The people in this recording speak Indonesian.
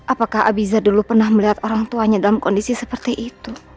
apakah abiza dulu pernah melihat orang tuanya dalam kondisi seperti itu